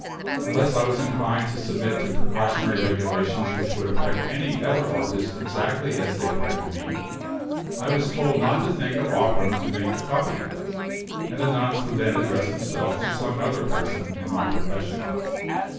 Unless I was inclined to submit to precautionary regulations which would affect any other artist exactly as they affected me, I was told not to think of offering to make the copy; and the nuns would then address themselves to some other person in my profession.